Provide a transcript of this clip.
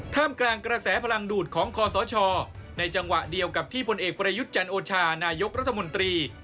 กลางกระแสพลังดูดของคอสชในจังหวะเดียวกับที่ผลเอกประยุทธ์จันโอชานายกรัฐมนตรี